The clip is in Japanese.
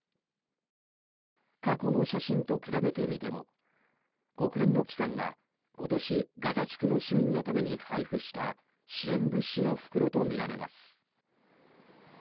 過去の写真と比べてみても国連の機関が、今年ガザ地区の市民のために配布した支援物資の袋とみられます。